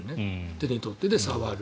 手に取って触る。